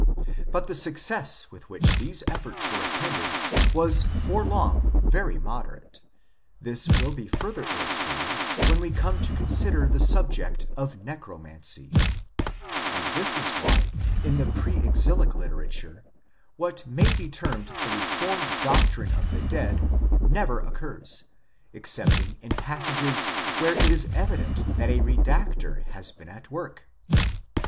But the success with which these efforts were attended was for long very moderate ; this will be further illustrated when we come to consider the subject of Necromancy ; and this is why in the pre exilic literature what may be termed the reformed doctrine of the dead never occurs, excepting in passages where it is evident that a redactor has been at work.